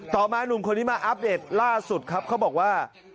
มาหนุ่มคนนี้มาอัปเดตล่าสุดครับเขาบอกว่า